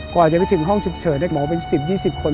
กว่าจะไปถึงห้องฉุกเฉินหมอเป็น๑๐๒๐คน